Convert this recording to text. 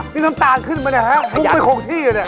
นี่ซ้ำตาลขึ้นมานะครับ